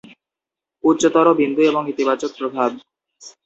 উচ্চতর বিন্দু এবং ইতিবাচক প্রভাব।